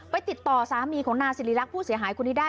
ไปติดต่อสามีของนาศิริรักษ์ผู้เสียหายคุณนิดด้าน